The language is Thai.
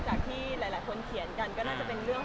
แต่งานค่อนข้าง